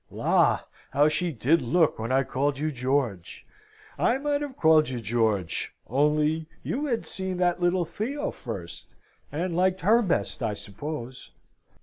La! how she did look when I called you George! I might have called you George only you had seen that little Theo first, and liked her best, I suppose."